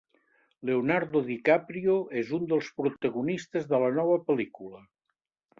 Leonardo DiCaprio és un dels protagonistes de la nova pel·lícula.